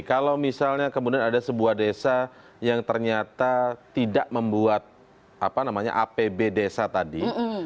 kalau misalnya kemudian ada sebuah desa yang ternyata tidak membuat apb desa tadi